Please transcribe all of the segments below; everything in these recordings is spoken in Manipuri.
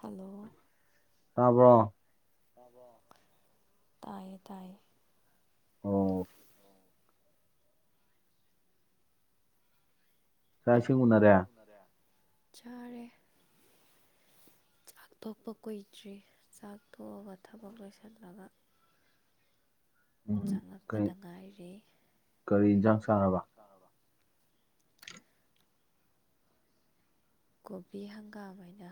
ꯍꯜꯂꯣ ꯇꯥꯕ꯭ꯔꯣ ꯇꯥꯕ꯭ꯔꯣ ꯇꯥꯏꯌꯦ ꯇꯥꯏꯌꯦ ꯑꯣ ꯆꯥꯛ ꯏꯁꯤꯡ ꯎꯅꯔꯦ ꯆꯥꯔꯦ ꯆꯥꯛ ꯇꯣꯛꯄ ꯀꯨꯏꯗ꯭ꯔꯤ ꯆꯥꯛ ꯇꯣꯛꯑꯒ ꯊꯕꯛ ꯂꯣꯏꯁꯜꯂꯒ ꯆꯪꯉꯛꯄꯗ ꯉꯥꯏꯔꯦ ꯀꯔꯤ ꯏꯟꯖꯥꯡ ꯆꯥꯔꯕ ꯀꯣꯕꯤ ꯍꯪꯒꯥꯝ ꯍꯥꯏꯅ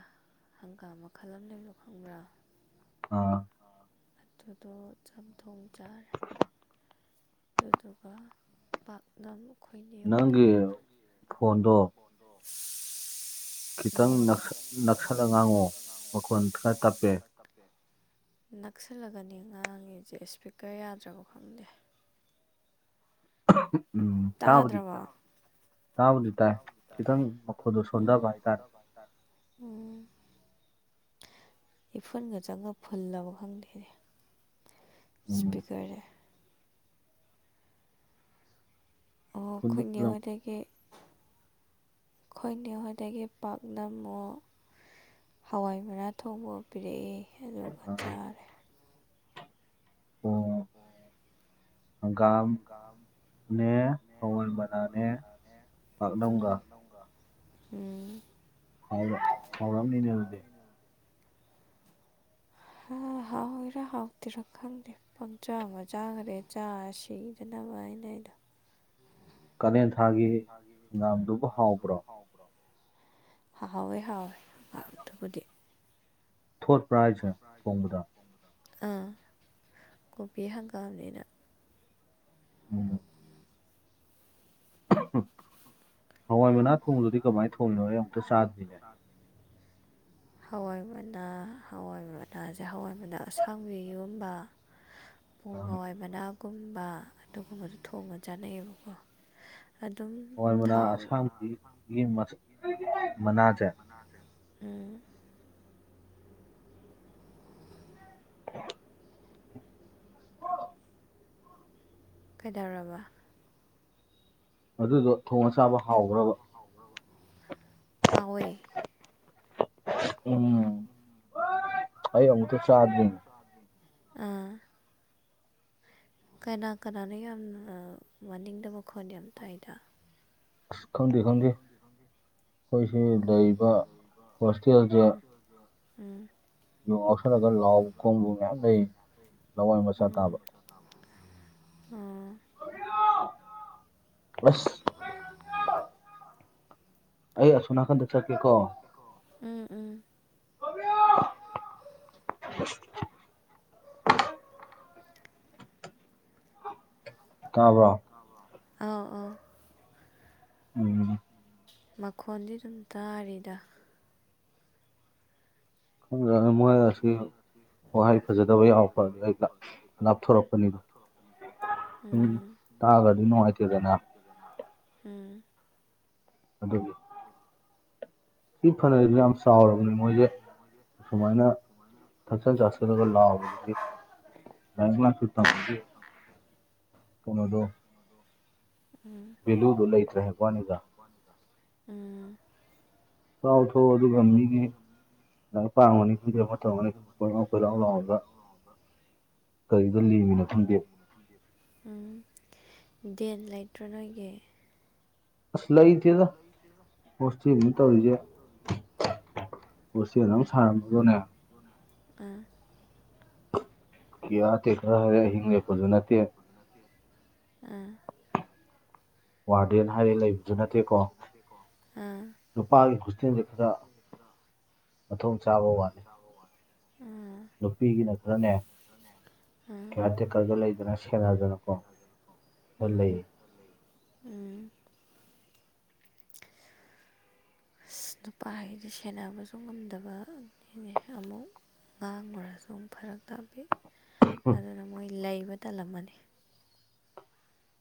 ꯍꯪꯒꯥꯝ ꯃꯈꯜ ꯑꯃ ꯂꯩꯕ ꯗꯣ ꯈꯪꯕ꯭ꯔꯥ ꯑꯥ ꯑꯗꯨꯗꯣ ꯆꯝꯊꯣꯡ ꯆꯥ ꯑꯗꯨꯗꯣꯀꯣ ꯄꯥꯛ ꯅꯝ ꯈꯣꯏꯅꯦ ꯍꯣꯏꯗꯝ ꯅꯪꯒꯤ ꯐꯣꯟꯗꯣ ꯈꯤꯇꯪ ꯅꯛ ꯅꯛꯁꯜꯂ ꯉꯥꯡꯉꯛꯑꯣ ꯃꯈꯣꯟ ꯈꯔ ꯇꯞꯄꯦ ꯅꯛꯁꯤꯜꯂꯒꯅꯤ ꯉꯥꯡꯉꯤꯖꯦ ꯏ꯭ꯁꯄꯤꯀ꯭ꯔ ꯌꯥꯗ꯭ꯔꯥꯕ ꯈꯪꯗꯦ [unintelligible] ꯇꯥꯕꯨꯗꯤ ꯇꯥꯏ ꯇꯥꯕꯨꯗꯤ ꯇꯥꯏ ꯈꯤꯇꯪ ꯃꯈꯣꯟꯗꯨ ꯁꯣꯟꯗꯕ ꯍꯥꯏꯇꯥꯔꯦ ꯎꯝ ꯏꯐꯨꯜꯒ ꯆꯪꯉ ꯐꯨꯜꯂꯕ ꯈꯪꯗꯦꯅꯦ ꯁ꯭ꯄꯤꯀ꯭ꯔꯖꯦ ꯑꯣ ꯈꯣꯢ ꯅꯦ ꯍꯣꯏꯗꯒꯤ ꯈꯣꯏ ꯅꯦ ꯍꯣꯏꯗꯒꯤ ꯄꯥꯛꯅꯝꯃꯣ ꯍꯋꯥꯏ ꯃꯅꯥ ꯊꯣꯡꯕ ꯄꯤꯔꯛꯏ ꯑꯗꯨꯒ ꯆꯥꯔꯦ ꯑꯣ ꯍꯪꯒꯥꯝ ꯅꯦ ꯍꯋꯥꯏ ꯃꯅꯥꯅꯦ ꯄꯥꯛꯅꯝꯒ ꯎꯝ ꯍꯥꯎ ꯍꯥꯎꯔꯝ ꯅꯤꯅꯦ ꯑꯗꯨꯗꯤ ꯍ ꯍꯥꯎꯋꯤꯔꯥ ꯍꯥꯎꯇ꯭ꯔꯤꯔꯥ ꯈꯪꯗꯦ ꯄꯪꯆꯥꯥ ꯃꯆꯥꯒꯔꯦ ꯆꯔꯥ ꯁꯤꯗꯅ ꯅꯨꯉꯥꯏ ꯂꯩꯗ ꯀꯂꯦꯟ ꯊꯥꯒꯤ ꯍꯪꯒꯥꯝꯗꯨꯕꯨ ꯍꯥꯎꯕ꯭ꯔꯣ ꯍꯥꯎꯋꯦ ꯍꯥꯎꯋꯦ ꯑ ꯑꯗꯨꯕꯨꯗꯤ ꯊꯣꯠꯄ꯭ꯔ ꯍꯥꯏꯁꯦ ꯊꯣꯡꯕꯗ ꯑꯥ ꯀꯣꯕꯤ ꯍꯪꯒꯥꯝꯅꯦꯅ [inaudible] [unintelligible] ꯍꯋꯥꯏ ꯃꯅꯥ ꯊꯣꯡꯕꯗꯨꯗꯤ ꯀꯃꯥꯏ ꯊꯣꯡꯏꯅꯣꯍꯦ ꯑꯩ ꯑꯃꯨꯛꯇ ꯆꯥꯗ꯭ꯔꯤꯅꯦ [inaudible] ꯍꯋꯥꯏ ꯃꯅꯥ ꯍꯋꯥꯏ ꯃꯅꯥꯁꯦ ꯍꯋꯥꯏ ꯃꯅꯥ ꯑꯁꯥꯡꯕꯤꯒꯨꯝꯕ ꯄꯣꯡ ꯍꯋꯥꯏ ꯃꯅꯥꯒꯨꯝꯕ ꯑꯗꯨꯒꯨꯝꯕꯗꯨ ꯊꯣꯡꯅ ꯆꯥꯅꯩꯌꯦꯕꯀꯣ ꯍꯋꯥꯏ ꯃꯅꯥ ꯑꯁꯥꯡꯕꯤꯒꯤ ꯃꯁꯛ ꯃꯅꯥꯁꯦ [inaudible] ꯀꯩꯗꯧꯔꯕ ꯑꯗꯨꯗꯣ ꯊꯣꯡꯉ ꯆꯥꯕ ꯍꯥꯎꯕ꯭ꯔꯕ ꯍꯥꯎꯋꯦ ꯎꯝ ꯑꯩ ꯑꯃꯨꯛꯇ ꯆꯥꯗ꯭ꯔꯤ ꯑꯥ ꯀꯅꯥ ꯀꯅꯥꯅꯣ ꯌꯥꯝꯅ ꯃꯅꯤꯡꯗ ꯃꯈꯣꯜ ꯌꯥꯝ ꯇꯥꯏꯗ ꯑꯁ ꯈꯪꯗꯦ ꯈꯪꯗꯦ ꯑꯩꯈꯣꯏꯁꯤ ꯂꯩꯔꯤꯕ ꯍꯣꯁꯇꯦꯜꯖꯦ ꯎꯝ ꯌꯨ ꯉꯥꯎꯁꯜꯂꯒ ꯂꯥꯎ ꯈꯣꯡꯕ ꯃꯌꯥꯝ ꯂꯩ ꯂꯋꯥꯏ ꯃꯆꯥ ꯇꯥꯕ ꯑꯥ [unintelligible] ꯑꯁ ꯑꯩ ꯑꯁꯣꯝ ꯅꯥꯀꯟꯗ ꯆꯠꯀꯦꯀꯣ ꯔꯣꯃꯤꯌꯣ [unintelligible] ꯇꯥꯕ꯭ꯔꯣ ꯑꯥꯎ ꯑꯥꯎ ꯎꯝ ꯃꯈꯣꯟꯗꯤ ꯑꯗꯨꯝ ꯇꯥꯔꯤꯗ [unintelligible] ꯃꯣꯏ ꯑꯁꯤ ꯌꯨꯝ ꯋꯥꯍꯩ ꯐꯖꯗꯕ ꯌꯥꯎꯔꯛꯄ ꯑꯗꯨꯗꯩ ꯀꯞ ꯂꯥꯞꯊꯣꯔꯛꯄꯅꯤ ꯎꯝ ꯇꯥꯒ꯭ꯔꯗꯤ ꯅꯨꯡꯉꯥꯏꯇꯦꯗꯅ ꯎꯝ ꯑꯗꯨꯒꯤ [unintelligible] ꯊꯛꯆꯟ ꯆꯥꯁꯟꯂꯒ ꯂꯥꯎꯕꯗꯨꯗꯤ ꯂꯥꯏꯔꯤꯛ ꯂꯥꯏꯁꯨ ꯇꯝꯕꯒꯤ ꯀꯧꯅꯣꯗ꯭ꯔꯣ ꯎꯝ [unintelligible] ꯎꯝ ꯆꯥꯎ ꯊꯤꯎ ꯑꯗꯨꯒ ꯃꯤꯒꯤ ꯂꯥꯏꯔꯤꯛ ꯄꯥꯔꯝꯒꯅꯤ ꯈꯪꯗꯦ ꯑꯃ ꯇꯧꯔꯝ ꯀꯣꯏꯂꯥꯎ ꯀꯣꯏꯂꯥꯎ ꯂꯥꯎꯔꯒ ꯀꯔꯤꯗ ꯂꯦꯝꯃꯤꯅꯣ ꯈꯪꯗꯦ ꯗꯦꯟ ꯂꯩꯇ꯭ꯔꯣ ꯅꯣꯏꯒꯤ ꯑꯁ ꯂꯩꯇꯦꯗ ꯍꯣꯁꯇꯦꯜꯅꯦ ꯇꯧꯔꯤꯖꯦ ꯍꯣꯁꯇꯦꯜ ꯑꯃ ꯁꯥꯔꯝꯃꯦꯕꯨꯅꯦ ꯑꯥ ꯀꯤꯌꯔ ꯇꯦꯛꯀꯔ ꯑꯍꯤꯡ ꯂꯦꯛꯄꯁꯨ ꯅꯠꯇꯦ ꯑꯥ ꯋꯥꯠ [unintelligible] ꯑꯥ ꯅꯨꯄꯥꯒꯤ [unintelligible] ꯁꯦ ꯈꯔ ꯃꯊꯣꯡ ꯆꯥꯕ ꯋꯥꯠꯅꯤ ꯅꯨꯄꯤꯒꯤꯅ ꯈꯔꯅꯦ ꯀꯤꯌꯔ ꯇꯦꯀꯔꯒ ꯂꯧꯗꯅ ꯁꯦꯟꯅꯗꯅꯀꯣ [unintelligible] ꯎꯝ ꯑꯁ ꯅꯨꯄꯥꯒꯤꯗꯤ ꯁꯦꯟꯅꯕꯁꯨ ꯉꯝꯗꯕ ꯅꯦ ꯑꯃꯨꯛ ꯉꯥꯡꯉꯨꯔꯁꯨ ꯐꯔꯛ ꯇꯥꯛꯄꯤ ꯑꯗꯨꯅ ꯃꯣꯏ ꯂꯩꯕ ꯇꯜꯂꯝꯃꯅꯤ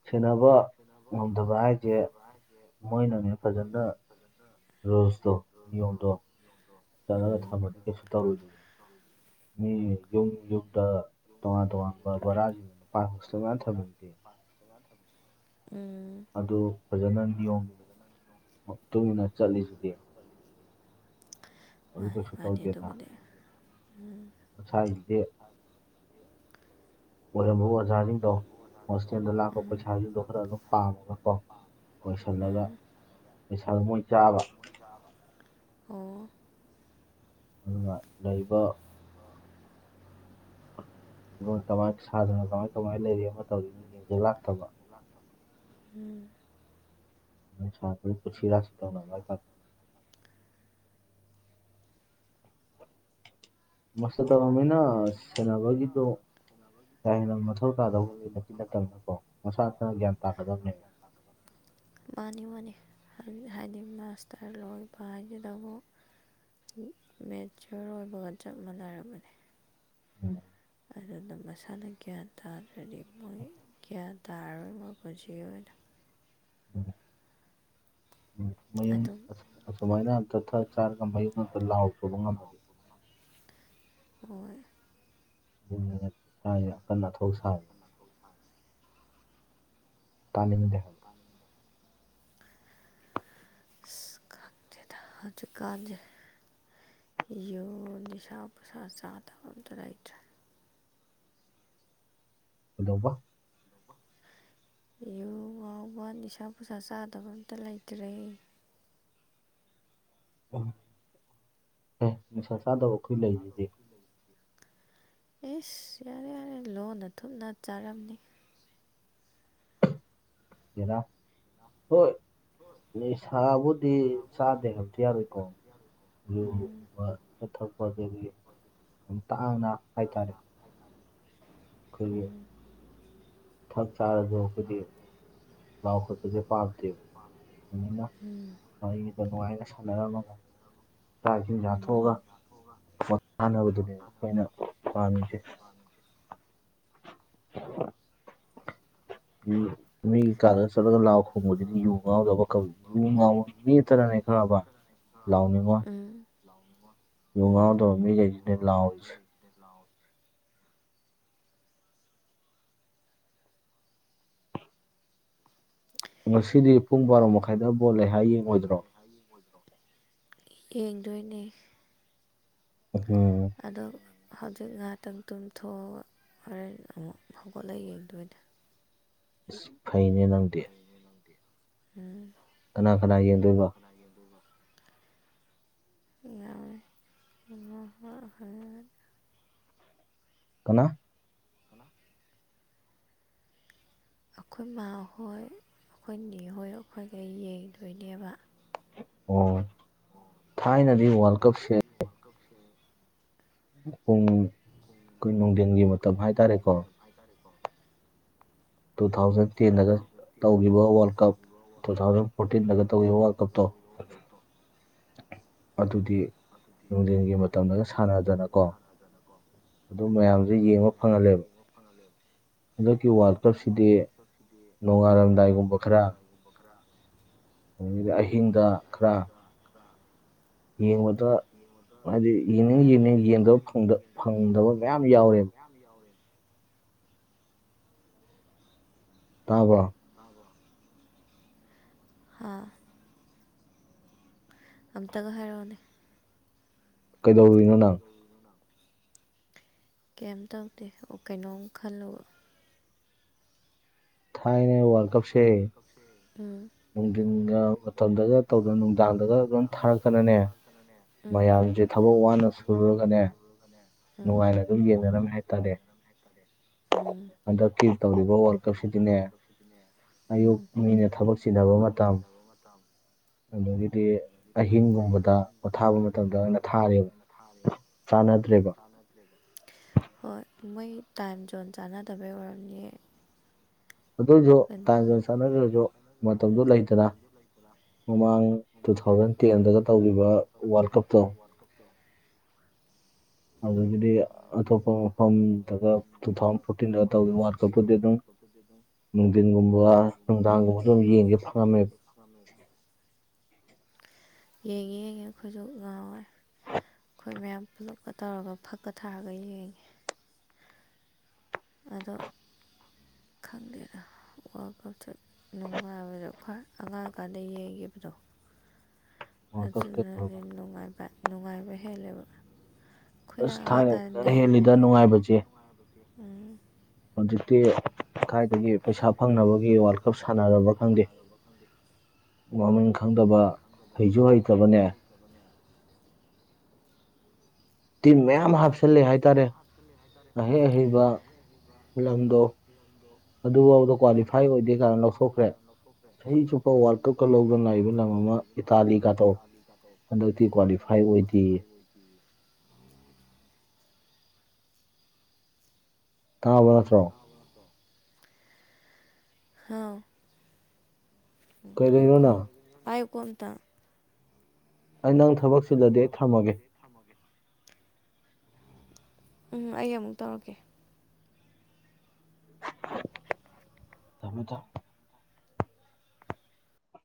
ꯁꯦꯟꯅꯕ ꯉꯝꯗꯕ ꯍꯥꯢꯖꯦ ꯃꯣꯏꯅꯅꯦ ꯐꯖꯅ ꯔꯨꯜꯁꯇꯣ ꯅꯤꯌꯣꯝꯗꯣ ꯆꯠꯂꯒ ꯊꯝꯃꯗꯤ ꯀꯩꯁꯨ ꯇꯧꯔꯣꯏꯗꯣꯏꯅꯦ ꯎꯝ ꯃꯤ ꯌꯨꯝ ꯌꯨꯝꯗ ꯇꯣꯉꯥꯟ ꯇꯣꯉꯥꯟꯕ ꯕꯣꯔꯥꯁꯤꯡꯗ ꯅꯨꯄꯥꯥ ꯍꯣꯁꯇꯦꯜ ꯃꯌꯥꯝ ꯊꯝꯃꯤꯗꯨꯗꯤ ꯑꯗꯨ ꯐꯖꯅ ꯅꯤꯌꯣꯝ ꯃꯇꯨꯡ ꯏꯟꯅ ꯆꯠꯂꯤꯗꯨꯗꯤ ꯃꯥꯅꯦ ꯃꯥꯅꯤ ꯑꯗꯨꯕꯨꯗꯤ ꯃꯁꯥꯒꯤꯗꯤ ꯑꯣꯏꯔꯝꯕ ꯑꯣꯖꯥꯁꯤꯖꯤꯡꯗꯣ ꯍꯣꯁꯇꯦꯜꯗ ꯂꯥꯛꯄ ꯄꯩꯁꯥꯁꯤꯡꯗꯣ ꯈꯔ ꯑꯗꯨꯝ ꯄꯥꯝꯃꯕꯀꯣ ꯑꯣꯏꯁꯤꯜꯂꯒ ꯄꯩꯁꯥ ꯃꯣꯏ [unintelligible] ꯑꯣ ꯑꯗꯨꯅ ꯂꯩꯕ ꯗꯨꯅ ꯀꯃꯥꯏ ꯁꯥꯗꯅ ꯀꯃꯥꯏ ꯀꯃꯥꯏꯅ ꯂꯩꯔꯤ ꯑꯃ ꯇꯧꯔꯤꯅꯣ ꯌꯦꯡꯖꯤꯜ ꯂꯥꯛꯇꯕ [unintelligible] ꯎꯝ [unintelligible] ꯀꯨꯁꯤ ꯔꯥꯁꯤ ꯇꯧꯅꯕ [unintelligible] ꯃꯥꯁꯇꯔ ꯇꯝꯃꯃꯤꯅ ꯁꯦꯅꯥꯕꯒꯤꯗꯣ ꯀꯍꯦꯟꯅ ꯃꯊꯧ ꯇꯥꯗꯒꯨꯝꯅꯤ ꯅꯠꯇꯕꯅꯤꯀꯣ ꯃꯁꯥ ꯃꯁꯥꯅ ꯒ꯭ꯌꯥꯟ ꯇꯥꯒꯗꯕꯅꯦꯕ ꯃꯥꯅꯤ ꯃꯥꯅꯤ ꯍꯥꯏꯗꯤ ꯃꯥꯁꯇꯔ ꯂꯣꯏꯕ ꯍꯥꯏꯁꯤꯗꯕꯨ ꯃꯦꯆꯣꯔ ꯑꯣꯏꯕꯒ ꯆꯞ ꯃꯥꯟꯅꯔꯕꯅꯦ ꯎꯝ ꯑꯗꯨꯅ ꯃꯁꯥꯅ ꯒ꯭ꯌꯥꯟ ꯇꯥꯗ꯭ꯔꯗꯤ ꯃꯣꯏ ꯒ꯭ꯌꯥꯟ ꯇꯥꯔꯔꯣꯏ ꯃꯄꯨꯟꯁꯤꯒꯤ ꯑꯣꯏꯅ ꯃꯌꯨꯝ ꯑꯁꯨꯃꯥꯏꯅ ꯑꯝꯇ ꯊꯛ ꯆꯥꯔꯒ ꯃꯌꯨꯝ ꯑꯝꯇ ꯂꯥꯎ ꯆꯣꯕ ꯉꯝꯃꯗꯤ ꯍꯣꯏ ꯑꯗꯨ [unintelligible] ꯁꯥꯏꯖꯦ ꯑꯀꯟ ꯑꯊꯧ ꯁꯥꯏ ꯇꯥꯅꯤꯡꯗꯦ ꯑꯁ ꯈꯪꯗꯦꯗ ꯍꯧꯖꯤꯛꯀꯥꯟꯖꯦ ꯌꯨ ꯅꯤꯁꯥꯄꯨꯁꯥ ꯆꯥꯗꯕ ꯑꯝꯇ ꯂꯩꯇ꯭ꯔꯦ ꯀꯗꯧꯕ ꯌꯨ ꯉꯥꯎꯕ ꯅꯤꯁꯥ ꯄꯨꯁꯥ ꯆꯥꯗꯕ ꯑꯝꯇ ꯂꯩꯇ꯭ꯔꯦ ꯎ ꯑꯦ ꯅꯤꯁꯥ ꯆꯥꯗꯕ ꯅꯤꯁꯥ ꯆꯥꯗꯕ ꯑꯈꯣꯏ ꯂꯩꯖꯤꯗꯤ ꯏꯁ ꯌꯥꯔꯦ ꯌꯥꯔꯦ ꯂꯣꯟꯅ ꯊꯨꯞꯅ ꯆꯥꯔꯝꯅꯤ ꯇꯦꯔꯥ ꯍꯣꯏ ꯅꯦꯁꯥꯕꯨꯗꯤ ꯆꯥꯗꯦ ꯍꯥꯏꯕꯗꯤ ꯌꯥꯔꯣꯏꯀꯣ ꯌꯨꯒꯨꯝꯕ ꯈꯊꯛꯄ ꯑꯗꯒꯤ ꯌꯥꯝ ꯇꯥꯡꯅ ꯍꯥꯏꯇꯥꯔꯦ ꯎꯝ ꯊꯛ ꯆꯥꯔꯁꯨ ꯑꯈꯣꯢꯗꯤ ꯂꯥꯎꯈꯣꯠꯄꯁꯦ ꯄꯥꯝꯗꯦꯕ ꯐꯖꯅ ꯋꯥꯔꯤꯗ ꯅꯨꯡꯉꯥꯏꯅ ꯁꯥꯟꯅꯔꯝꯃꯒ ꯎꯝ [unintelligible] [inaudible] [inaudible] ꯃꯤꯒꯤ ꯀꯥꯗ ꯆꯠꯂꯒ ꯂꯥꯎ ꯈꯣꯡꯕꯗꯨꯗꯤ ꯌꯨ ꯉꯥꯎꯗꯕ ꯀꯧꯏ ꯌꯨ ꯉꯥꯎꯕ ꯃꯤ ꯑꯝꯇꯅꯅꯦ ꯈꯪꯉꯕ ꯂꯥꯎꯅꯤꯡꯉꯣꯢ ꯎꯝ ꯂꯥꯎꯅꯤꯡꯉꯣꯏ ꯨ ꯌꯨ ꯉꯥꯎꯗꯕ ꯃꯤꯒꯩꯁꯤꯅꯦ ꯂꯥꯎꯔꯤꯁꯦ ꯉꯁꯤꯗꯤ ꯄꯨꯡ ꯕꯥꯔꯣ ꯃꯈꯥꯏꯗ ꯕꯣꯜ ꯂꯩ ꯍꯥꯏ ꯌꯦꯡꯉꯣꯏꯗ꯭ꯔꯣ ꯌꯦꯡꯗꯣꯏꯅꯦ ꯑꯗꯣ ꯍꯧꯖꯤꯛ ꯉꯍꯥꯛꯇꯪ ꯇꯨꯝꯊꯣꯛꯑ ꯍꯣꯔꯦꯟ ꯑꯃꯨꯛ ꯍꯧꯒꯠꯂ ꯌꯦꯡꯗꯣꯏꯅꯦ ꯏꯁ ꯐꯩꯅꯦ ꯅꯪꯗꯤ ꯎꯝ ꯀꯅꯥ ꯀꯅꯥ ꯌꯦꯡꯗꯣꯢꯕ ꯌꯥꯔꯦ [unintelligible] ꯀꯅꯥ ꯀꯅꯥ ꯑꯩꯈꯣꯏ ꯃꯥꯍꯣꯏ ꯑꯩꯈꯣꯏ ꯅꯦꯍꯣꯏ ꯑꯩꯈꯣꯏꯒꯩ ꯌꯦꯡꯗꯣꯏꯅꯦꯕ ꯑꯣ ꯊꯥꯏꯅꯗꯤ ꯋꯥꯔꯜ ꯀꯞꯁꯦ ꯄꯨꯡ ꯑꯈꯣꯏ ꯅꯨꯡꯊꯤꯟꯒꯤ ꯃꯇꯝ ꯍꯥꯏꯇꯥꯔꯦꯀꯣ ꯇꯨ ꯊꯥꯎꯖꯟ ꯇꯨ ꯊꯥꯎꯖꯟ ꯇꯦꯟꯗꯒ ꯇꯧꯈꯤꯕ ꯋꯥꯔꯜ ꯀꯞ ꯇꯨ ꯊꯥꯎꯖꯟ ꯐꯣꯔꯇꯤꯟꯗꯒ ꯇꯧꯈꯤꯕ ꯋꯥꯔꯜ ꯀꯞꯇꯣ [inaudible] ꯑꯗꯨꯗꯤ ꯅꯨꯡꯊꯤꯟꯒꯤ ꯃꯇꯝꯗꯒ ꯁꯥꯟꯅꯗꯅꯀꯣ ꯑꯗꯨ ꯃꯌꯥꯝꯁꯦ ꯌꯦꯡꯕ ꯐꯪꯍꯜꯂꯦꯕ ꯍꯟꯗꯛꯀꯤ ꯋꯥꯔꯜ ꯀꯞꯁꯤꯗꯤ ꯅꯣꯡꯉꯥꯜꯂꯝꯗꯥꯏꯒꯨꯝꯕ ꯈꯔ [unintelligible] ꯑꯍꯤꯡꯗ ꯈꯔ ꯌꯦꯡꯉꯣ ꯑꯗ ꯍꯥꯏꯗꯤ ꯌꯦꯡꯅꯤꯡ ꯌꯦꯡꯅꯤꯡ ꯌꯦꯡꯗꯕ ꯐꯪꯗ ꯐꯪꯗꯕ ꯃꯌꯥꯝ ꯌꯥꯎꯋꯦ ꯇꯥꯕ꯭ꯔꯣ ꯍꯥꯥ ꯑꯝꯇꯒ ꯍꯥꯏꯔꯛꯑꯣꯅꯦ ꯀꯩꯗꯧꯔꯤꯅꯣ ꯅꯪ ꯀꯩꯝ ꯇꯧꯗꯦ ꯑꯣ ꯀꯩꯅꯣꯝ ꯈꯜꯂꯨꯕ ꯊꯥꯏꯅ ꯋꯥꯔꯜꯀꯞ ꯎꯝ ꯅꯨꯡꯗꯥꯡ ꯃꯇꯝꯗꯒ ꯇꯧꯗꯅ ꯅꯨꯡꯗꯥꯡꯗꯒ ꯑꯗꯨꯝ ꯊꯥꯔꯛꯇꯅꯅꯦ ꯃꯌꯥꯝꯁꯦ ꯊꯕꯛ ꯋꯥꯅ ꯁꯨꯔꯒꯅꯦ ꯎꯝ ꯅꯨꯡꯉꯥꯢꯅ ꯇꯨꯝꯒꯦꯅ ꯅꯪ ꯍꯥꯏ ꯈꯜꯂꯦ ꯎꯝ ꯍꯟꯗꯛꯀꯤ ꯇꯧꯔꯤꯕ ꯋꯔꯜꯀꯞ ꯁꯤꯗꯤꯅꯦ ꯑꯌꯨꯛ ꯃꯤꯅ ꯊꯕꯛ ꯆꯤꯟꯅꯕ ꯃꯇꯝ ꯑꯗꯒꯤꯗꯤ ꯑꯍꯤꯡꯒꯨꯝꯕꯗ ꯄꯣꯊꯥꯕ ꯃꯇꯝꯗ ꯑꯩꯅ ꯊꯥꯔꯦ ꯊꯥꯅꯗ꯭ꯔꯦꯕ ꯍꯣꯏ ꯃꯣꯏꯒꯤ ꯇꯥꯏꯝ ꯖꯣꯟ ꯆꯥꯟꯅꯗꯕꯩ ꯑꯣꯏꯔꯝꯅꯤꯌꯦ ꯑꯗꯨꯏꯁꯨ ꯇꯥꯏꯝ ꯖꯣꯟ ꯆꯥꯟꯅꯗ꯭ꯔꯁꯨ ꯃꯇꯝꯗꯨ ꯂꯩꯇꯅ ꯃꯃꯥꯡ ꯇꯨ ꯇꯨ ꯊꯥꯎꯖꯟ ꯇꯦꯟꯗꯒ ꯇꯧꯈꯤꯕ ꯋꯥꯔꯜ ꯀꯞꯇꯣ ꯑꯧꯗꯒꯤꯗꯤ ꯑꯇꯣꯞꯄ ꯃꯐꯝꯗꯒ ꯇꯨ ꯊꯥꯎꯖꯟ ꯐꯣꯔꯇꯤꯟꯗꯒ ꯇꯧꯒꯤꯕ ꯋꯥꯔꯜ ꯀꯞꯄꯨꯗꯤ ꯑꯗꯨꯝ [unintelligible] ꯅꯨꯡꯗꯤꯟꯒꯨꯝꯕ ꯅꯨꯡꯗꯥꯡꯒꯨꯝꯕꯗ ꯑꯗꯨꯝ ꯌꯦꯡꯒꯦ ꯐꯪꯉꯝꯃꯦꯕ ꯌꯦꯡꯉꯦ ꯌꯦꯡꯉꯦ ꯑꯩꯈꯣꯏꯁꯨ ꯅꯍꯥꯟꯋꯥꯢ ꯑꯩꯈꯣꯏ ꯃꯌꯥꯝ ꯄꯨꯂꯞꯀ ꯇꯧꯔꯒ ꯐꯛꯀ ꯊꯥꯔꯒ ꯌꯦꯡꯉꯦ ꯑꯗꯣ ꯈꯪꯗꯦꯗ ꯋꯥꯈꯜꯁꯦ ꯅꯨꯡꯉꯥꯏꯕꯗꯣ ꯈꯣꯏ ꯑꯉꯥꯡ ꯑꯣꯢꯔꯤꯀꯥꯟꯗ ꯌꯦꯡꯈꯤꯕꯗꯣ ꯑꯗꯨꯗꯨꯅꯗꯤ ꯅꯨꯡꯉꯥꯏꯕ ꯅꯨꯡꯉꯥꯏꯕ ꯍꯦꯜꯂꯦꯕ ꯑꯁ ꯊꯥꯏꯅꯪ ꯐꯖꯅ ꯍꯦꯜꯂꯤꯗ ꯅꯨꯡꯉꯥꯏꯕꯁꯦ ꯍꯧꯖꯤꯛꯇꯤ ꯀꯥꯏꯗꯒꯤ ꯄꯩꯁꯥ ꯐꯪꯅꯕꯒꯤ ꯋꯥꯔꯜ ꯀꯞ ꯁꯥꯟꯅꯔꯕ ꯈꯪꯗꯦ ꯃꯃꯤꯡ ꯈꯪꯗꯕ ꯍꯩꯖꯨ ꯍꯩꯇꯕꯅꯦ ꯇꯤꯝ ꯃꯌꯥꯝ ꯍꯥꯞꯆꯜꯂꯦ ꯍꯥꯏꯇꯥꯔꯦ ꯑꯍꯩ ꯑꯍꯩꯕ ꯐꯤꯂꯝꯗꯣ ꯗꯣ ꯑꯗꯨꯐꯥꯎꯗ ꯀ꯭ꯋꯥꯂꯤꯐꯥꯏ ꯂꯧꯊꯣꯛꯈ꯭ꯔꯦ ꯆꯍꯤ ꯆꯨꯞꯄ ꯋꯥꯔꯜ ꯀꯞꯀ ꯂꯧꯗꯅ ꯂꯥꯛꯏꯕ ꯂꯝ ꯑꯃ ꯏꯇꯥꯂꯤꯒꯗꯣꯟ ꯀ꯭ꯋꯥꯂꯤꯐꯥꯏ ꯑꯣꯏꯗꯦꯌꯦ [inaudible] ꯇꯥꯕ ꯅꯠꯇ꯭ꯔꯣ ꯍꯥꯎ ꯉꯥꯏꯈꯣ ꯄꯥꯏꯌꯨꯀꯣ ꯑꯃꯇꯪ ꯑꯩ ꯅꯪ ꯊꯕꯛ ꯆꯤꯜꯂꯗꯤ ꯑꯩ ꯊꯝꯃꯒꯦ ꯎꯝ ꯑꯩ ꯑꯃꯨꯛ ꯇꯧꯔꯛꯀꯦ ꯊꯝꯃꯦ ꯊꯝꯃꯦ